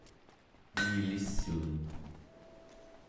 miilissuun